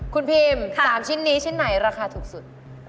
คุณพิม๓ชิ้นนี้ชิ้นไหนราคาถูกสุด